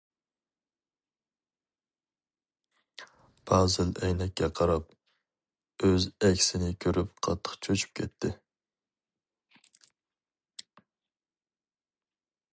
پازىل ئەينەككە قاراپ، ئۆز ئەكسىنى كۆرۈپ قاتتىق چۆچۈپ كەتتى.